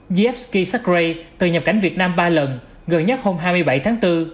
ijevski sekrey từ nhập cảnh việt nam ba lần gần nhất hôm hai mươi bảy tháng bốn